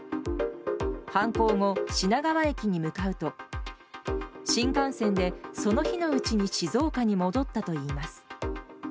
犯行後、品川駅に向かうと新幹線でその日のうちに静岡に戻ったといいます。